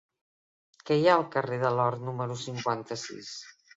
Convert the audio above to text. Què hi ha al carrer de l'Or número cinquanta-sis?